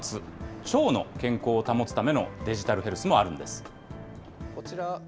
腸の健康を保つためのデジタルヘルスもあるんです。